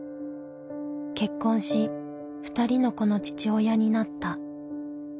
結婚し２人の子の父親になった。